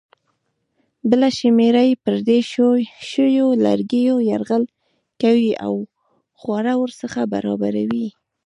بله شمېره یې پر پرې شویو لرګیو یرغل کوي او خواړه ورڅخه برابروي.